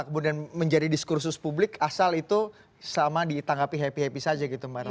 kemudian menjadi diskursus publik asal itu sama ditanggapi happy happy saja gitu mbak reza